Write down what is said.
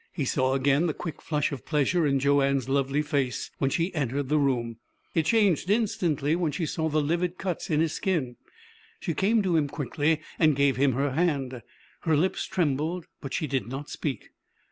He saw again the quick flush of pleasure in Joanne's lovely face when she entered the room. It changed instantly when she saw the livid cuts in his skin. She came to him quickly, and gave him her hand. Her lips trembled, but she did not speak.